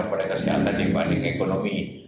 atau perhatian kesehatan dibanding ekonomi